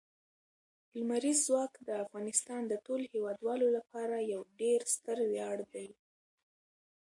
لمریز ځواک د افغانستان د ټولو هیوادوالو لپاره یو ډېر ستر ویاړ دی.